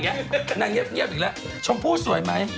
เขาลงไอจีของเขานะ